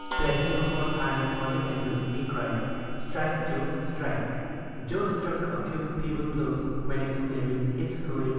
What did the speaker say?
Placing a hot iron on the anvil, he cried, "Strike, Joe, strike." Joe struck a few feeble blows, when exclaiming, "It's going!